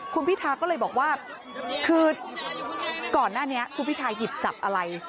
คุณพิทาก็เลยบอกว่าคือก่อนหน้านี้คุณพิทาหยิบจับอะไร